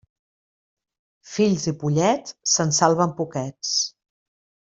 Fills i pollets, se'n salven poquets.